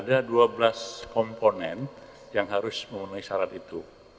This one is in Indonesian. ada dua belas komponen yang harus memenuhi syarat itu